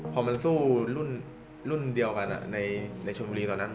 พอมันสู้รุ่นเดียวกันในชนบุรีตอนนั้น